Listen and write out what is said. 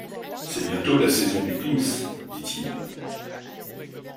C'est bientôt la saison du Pims, dit-il.